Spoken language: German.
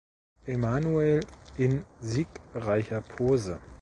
Emanuel in siegreicher Pose.